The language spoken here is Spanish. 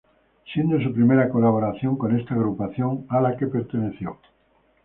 Siendo su primera colaboración, con esta agrupación a la que perteneció.